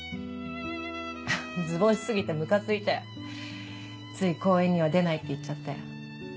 図星過ぎてムカついてつい公演には出ないって言っちゃって。